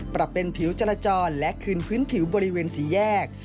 ปรับเป็นผิวจรจรและคืนพื้นผิวบริเวณสี่แยก